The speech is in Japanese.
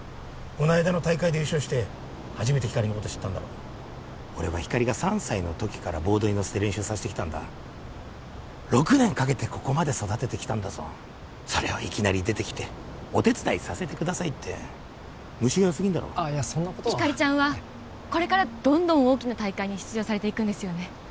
この間の大会で優勝して初めてひかりのこと知ったんだろ俺はひかりが３歳の時からボードに乗せて練習させてきたんだ６年かけてここまで育ててきたんだぞそれをいきなり出てきてお手伝いさせてくださいって虫がよすぎんだろいやそんなことはひかりちゃんはこれからどんどん大きな大会に出場されていくんですよね